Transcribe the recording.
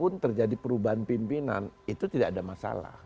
kapan pun terjadi perubahan pimpinan itu tidak ada masalah